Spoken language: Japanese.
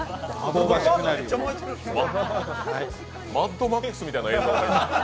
「マッドマックス」みたいな映像。